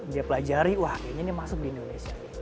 dia pelajari wah kayaknya ini masuk di indonesia